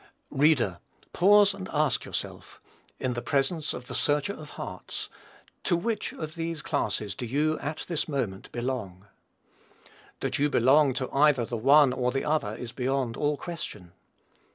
Reader, pause and ask yourself, in the presence of the Searcher of hearts, to which of these two classes do you, at this moment, belong. That you belong to either the one or the other is beyond all question.